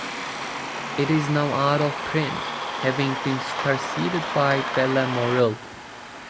It is now out of print, having been superseded by "Belle Moral".